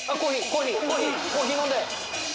コーヒー飲んで！